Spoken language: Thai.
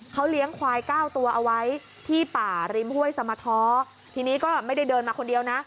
เขาเลี้ยงควายเก้าตัวเอาไว้ที่ป่าริมห้วยสมท้อทีนี้ก็ไม่ได้เดินมาคนเดียวนะ